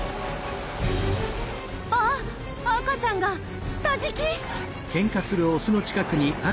あっ赤ちゃんが下敷き！